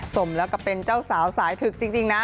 สมแล้วก็เป็นเจ้าสาวสายถึกจริงนะ